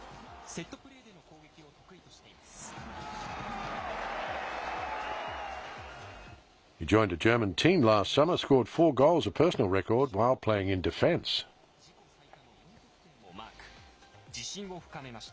セットプレーでの攻撃を得意としています。